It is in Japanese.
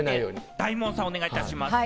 大門さん、お願いします。